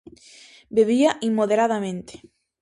Bebía inmoderadamente.